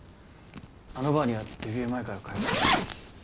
あのバーにはデビュー前から通ってたんです。